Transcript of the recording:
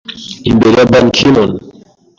imbere ya Ban Ki-Moon